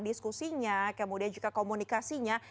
diskusinya kemudian juga komunikasinya